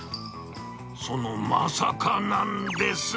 そのまさかなんです。